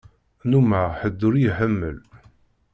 Nnumeɣ ḥedd ur y-iḥemmel.